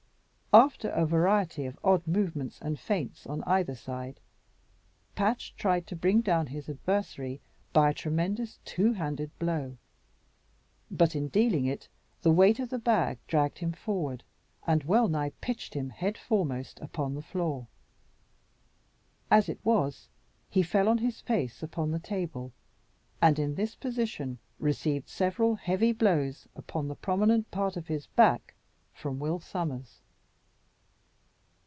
After a variety of odd movements and feints on either side, Patch tried to bring down his adversary by a tremendous two handed blow; but in dealing it, the weight of the hag dragged him forward, and well nigh pitched him head foremost upon the floor. As it was, he fell on his face upon the table, and in this position received several heavy blows upon the prominent part of his back from Will Sommers.